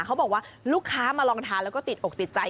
เขาบอกว่าลูกค้ามาลองทานแล้วก็ติดอกติดใจ